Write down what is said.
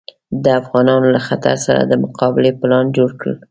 د افغانانو له خطر سره د مقابلې پلان جوړ کړ.